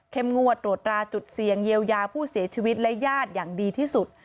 งวดตรวจราจุดเสี่ยงเยียวยาผู้เสียชีวิตและญาติอย่างดีที่สุด